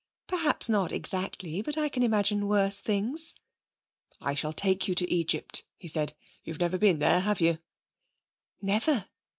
'Perhaps not exactly, but I can imagine worse things.' 'I shall take you to Egypt,' he said. 'You've never been there, have you?' 'Never.'